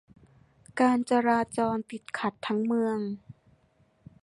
การจราจรติดขัดทั้งเมือง